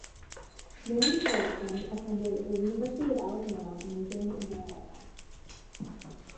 Mary Tillotson attended the University of Alabama majoring in journalism.